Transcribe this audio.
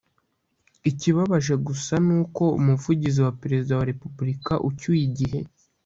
Ikibabaje gusa ni uko Umuvugizi wa Perezida wa Repubulika ucyuye igihe